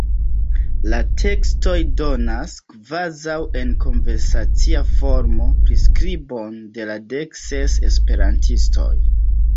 La tekstoj donas, kvazaŭ en konversacia formo, priskribon de la dek ses esperantistoj.